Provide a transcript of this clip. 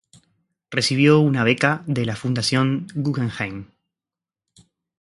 Recibió una beca de la Fundación Guggenheim.